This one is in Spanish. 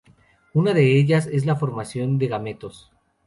Una de ellas es la de formación de gametos.